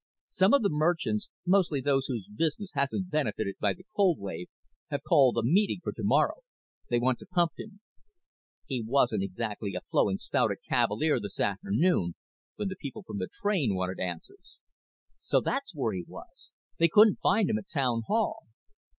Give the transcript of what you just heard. Some of the merchants mostly those whose business hasn't benefited by the cold wave have called a meeting for tomorrow. They want to pump him." "He wasn't exactly a flowing spout at Cavalier this afternoon when the people from the train wanted answers." "So that's where he was. They couldn't find him at Town Hall."